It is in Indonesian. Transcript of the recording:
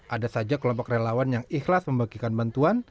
ada saja kelompok relawan yang ikhlas membagikan bantuan